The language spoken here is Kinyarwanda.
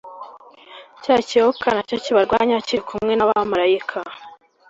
Cya Kiyoka Na Cyo Kibarwanya Kiri Kumwe N Abamarayika